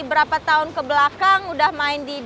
berapa tahun ke belakang udah main di